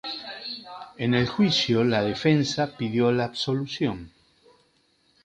En el juicio la defensa pidió la absolución.